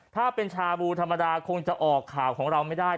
ถ้าเป็นชาบูธรรมดาคงจะออกข่าวของเราไม่ได้